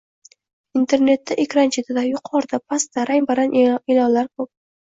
Internetda ekran chetida, yuqorida, pastda rang-barang e’lonlar ko'p.